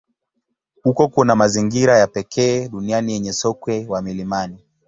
Huko kuna mazingira ya pekee duniani yenye sokwe wa milimani.